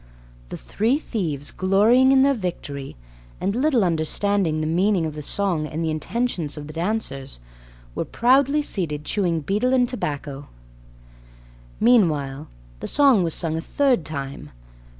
The three thieves, glorying in their victory, and little understanding the meaning of the song and the intentions of the dancers, were proudly seated chewing betel and tobacco. Meanwhile the song was sung a third time.